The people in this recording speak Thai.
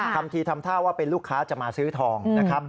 ทำทีทำท่าว่าเป็นลูกค้าจะมาซื้อทองนะครับ